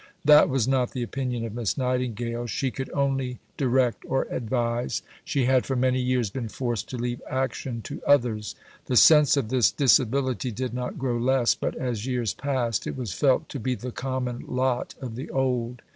That was not the opinion of Miss Nightingale; she could only direct or advise; she had for many years been forced to leave action to others. The sense of this disability did not grow less, but as years passed, it was felt to be the common lot of the old.